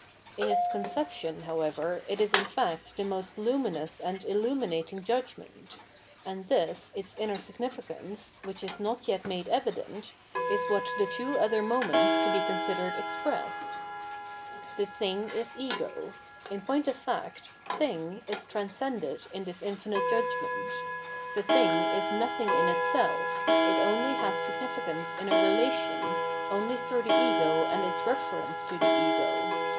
In its conception, however, it is in fact the most luminous and illuminating judgment ; and this, its inner significance, which is not yet made evident, is what the two other moments to be considered express. The thing is ego. In point of fact, thing is transcended in this infinite judgment. The thing is nothing in itself ; it only has significance in a relation, only through the ego and its reference to the ego.